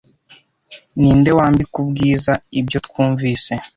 ninde wambika ubwiza ibyo twumvise